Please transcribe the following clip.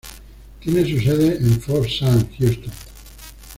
Tiene su sede en Fort Sam Houston.